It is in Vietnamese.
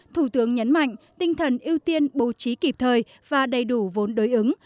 thủ tướng nhấn mạnh tinh thần ưu tiên bố trí kịp thời và đầy đủ vốn đối ứng